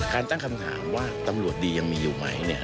ตั้งคำถามว่าตำรวจดียังมีอยู่ไหม